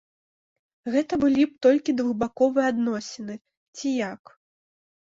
Гэта былі б толькі двухбаковыя адносіны ці як?